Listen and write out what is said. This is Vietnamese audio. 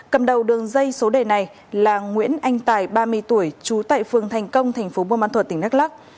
cầm đầu đường dây số đề này là nguyễn anh tài ba mươi tuổi trú tại phường thành công thành phố bùa mà thuật tỉnh đắk lắk